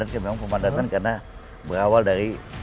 yang dipandat memang pemadatannya karena berawal dari